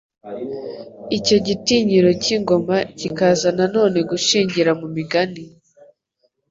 Icyo gitinyiro cy'ingoma kikaza na none gushingira mu migani